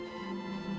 setiap senulun buat